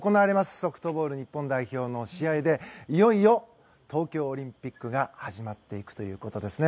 ソフトボール日本代表の試合でいよいよ東京オリンピックが始まっていくということですね。